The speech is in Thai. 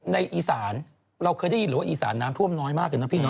ในอีสานเราเคยได้ยินว่าอีสานน้ำท่วมน้อยมากอะพี่